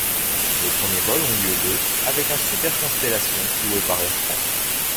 Les premiers vols ont lieu le avec un Super Constellation loué par Air France.